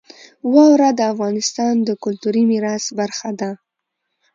واوره د افغانستان د کلتوري میراث برخه ده.